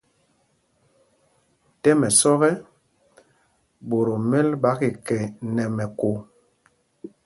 Tɛ́m ɛsɔ́k ɛ, ɓot o mɛ́l ɓá kikɛ nɛ mɛkō.